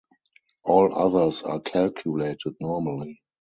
All others are calculated normally.